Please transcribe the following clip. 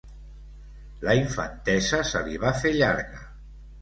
La infantesa se li va fer llarga.